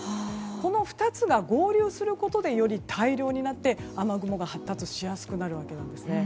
この２つが合流することでより大量になって雨雲が発達しやすくなります。